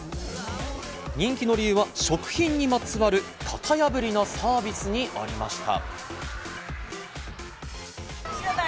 人気の理由は食品にまつわる型破りなサービスにありました。